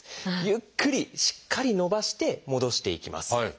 ゆっくりしっかり伸ばして戻していきます。